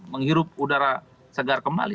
menghirup udara segar kembali